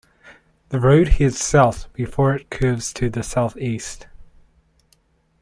The road heads south before it curves to the southeast.